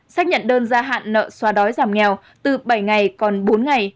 xác nhận đơn gia hạn nợ xóa đói giảm nghèo từ bảy ngày còn bốn ngày